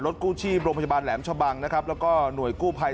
กู้ชีพโรงพยาบาลแหลมชะบังนะครับแล้วก็หน่วยกู้ภัย